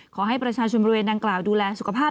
ขอให้ประชาชนบริเวณดังกล่าวดูแลสุขภาพ